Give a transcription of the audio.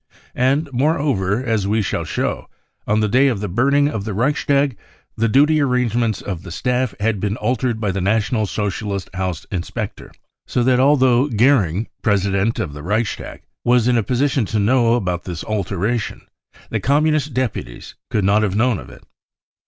And moreover, as we shall show, on the day of the burning of the Reichstag the duty arrangements of the staff had been altered by the National Socialist House inspector, so that although Goering, president of the Reichstag, was in a position to know about this alteration, the Communist deputies could not have known of it.